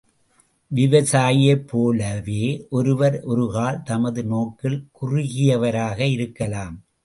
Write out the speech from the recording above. விவசாயியைப் போலவே அவர் ஒருக்கால் தமது நோக்கில் குறுகியவராக இருக்கலாம்.